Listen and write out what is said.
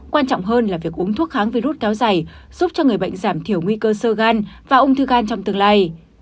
quan trọng hơn là việc uống thuốc kháng virus kéo dài giúp cho người bệnh giảm thiểu nguy cơ sơ gan và ung thư gan trong tương lai